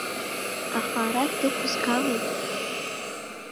Аха арахь дықәызгалеи?